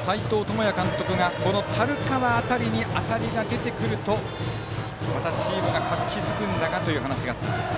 斎藤智也監督が、この樽川辺りに当たりが出てくるとまたチームが活気づくんだがという話がありました。